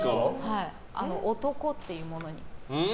男っていうものに。